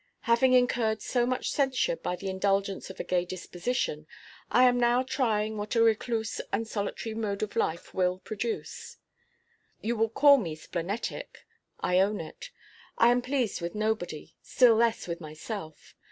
Having incurred so much censure by the indulgence of a gay disposition, I am now trying what a recluse and solitary mode of life will, produce. You will call me splenetic. I own it. I am pleased with nobody; still less with myself.